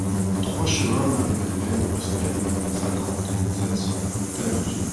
trois chemin Marie Madeleine Postel, cinquante, sept cents, Tamerville